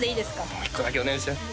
もう一個だけお願いします